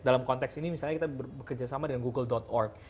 dalam konteks ini misalnya kita bekerjasama dengan google org